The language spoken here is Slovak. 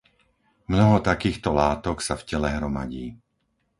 Mnoho takýchto látok sa v tele hromadí.